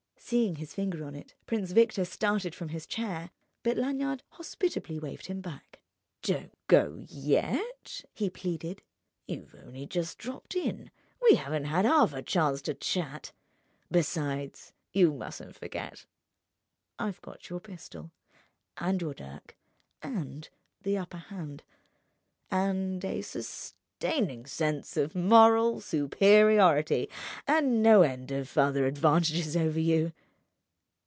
Seeing his finger on it Prince Victor started from his chair, but Lanyard hospitably waved him back. "Don't go yet," he pleaded. "You've only just dropped in, we haven't had half a chance to chat. Besides, you mustn't forget I've got your pistol and your dirk and the upper hand and a sustaining sense of moral superiority and no end of other advantages over you."